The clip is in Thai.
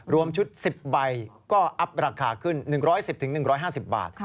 รวมชุด๑๐ใบก็อัพราคาขึ้น๑๑๐๑๕๐บาท